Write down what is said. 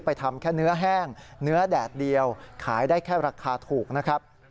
ทำแค่เนื้อแห้งเนื้อแดดเดียวขายได้แค่ราคาถูกนะครับ